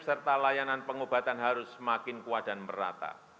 serta layanan pengobatan harus semakin kuat dan merata